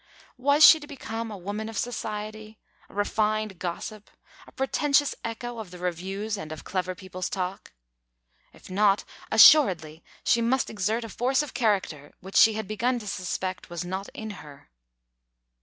Was she to become a woman of society, a refined gossip, a pretentious echo of the reviews and of clever people's talk? If not, assuredly she must exert a force of character which she had begun to suspect was not in her.